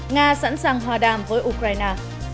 nga sẵn sàng hòa đàm với ukraine